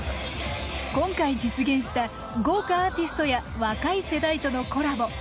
今回実現した豪華アーティストや若い世代とのコラボ。